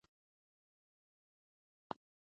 کولمو مایکروبیوم د خپګان خطر کموي.